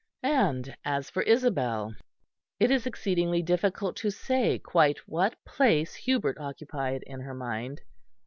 And as for Isabel. It is exceedingly difficult to say quite what place Hubert occupied in her mind.